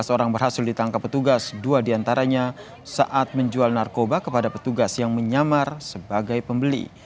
sebelas orang berhasil ditangkap petugas dua diantaranya saat menjual narkoba kepada petugas yang menyamar sebagai pembeli